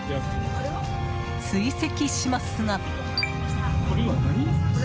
追跡しますが。